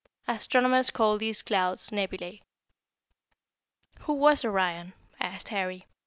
Astronomers called these clouds nebulæ." "Who was Orion?" asked Harry.